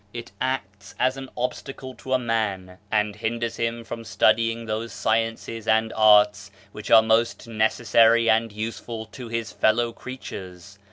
It acts as an obstacle to a man and hinders him from studying those sciences and arts which are most necessary and useful to his fellow creatures.